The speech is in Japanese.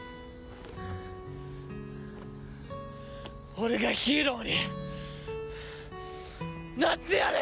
俺がヒーローになってやる！